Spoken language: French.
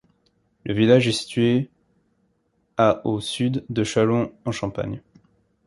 Le village est situé à au sud de Châlons-en-Champagne.